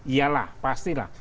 iya lah pastilah